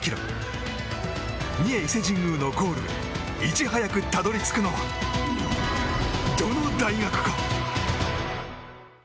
三重・伊勢神宮のゴールへいち早くたどり着くのはどの大学か！